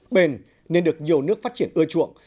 bền nên được nhiều nước phát triển ưa chuộng